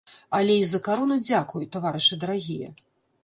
Але й за карону дзякуй, таварышы дарагія.